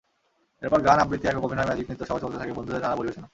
এরপর গান, আবৃত্তি, একক অভিনয়, ম্যাজিক, নৃত্যসহ চলতে থাকে বন্ধুদের নানা পরিবেশনা।